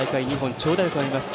長打力があります。